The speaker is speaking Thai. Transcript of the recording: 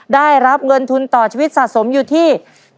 ได้รับเงินทุนต่อชีวิตสะสมอยู่ที่